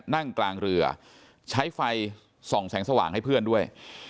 นั่งกลางเรือใช้ไฟส่องแสงสว่างให้เพื่อนด้วย